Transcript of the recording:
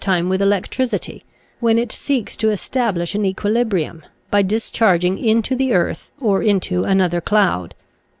65 time with electricity, when it seeks to estab lish an equilibrium, by discharging into the earth or into another cloud.